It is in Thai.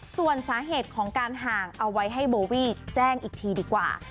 ส่วนสาเหตุของการห่างเอาไว้ให้โบวี่แจ้งอีกทีดีกว่า